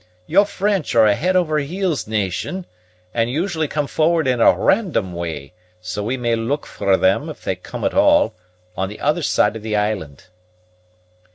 Your French are a head over heels nation, and usually come forward in a random way; so we may look for them, if they come at all, on the other side of the island."